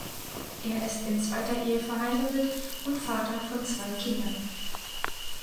Er ist in zweiter Ehe verheiratet und Vater von zwei Kindern.